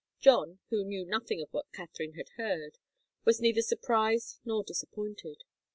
John, who knew nothing of what Katharine had heard, was neither surprised nor disappointed.